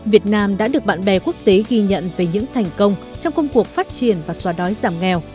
việt nam đã được bạn bè quốc tế ghi nhận về những thành công trong công cuộc phát triển và xóa đói giảm nghèo